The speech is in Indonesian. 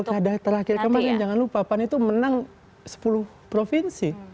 selain itu di pilkada terakhir kemarin jangan lupa pan itu menang sepuluh provinsi